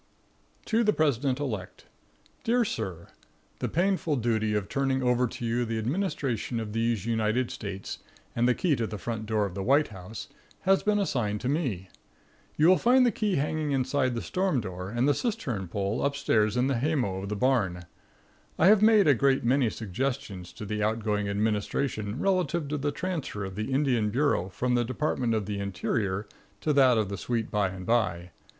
To the President Elect. Dear Sir. The painful duty of turning over to you the administration of these United States and the key to the front door of the White House has been assigned to me. You will find the key hanging inside the storm door, and the cistern pole up stairs in the haymow of the barn. I have made a great many suggestions to the outgoing administration relative to the transfer of the Indian bureau from the department of the Interior to that of the sweet by and by.